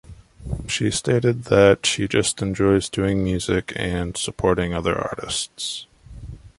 She stated that she just enjoys doing music and supporting other artists.